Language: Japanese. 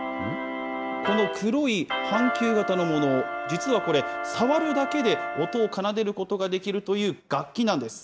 この黒い半球型のもの、実はこれ、触るだけで音を奏でることができるという楽器なんです。